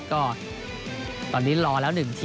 ก็ตอนนี้รอแล้ว๑ทีม